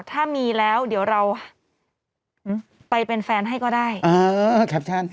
ถ้ามีแล้วเดี๋ยวเราไปเป็นแฟนให้ก็ได้